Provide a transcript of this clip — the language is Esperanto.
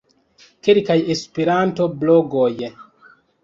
Kelkaj Esperanto-blogoj.